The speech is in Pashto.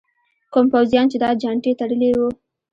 کوم پوځیان چې دا چانټې تړلي وو.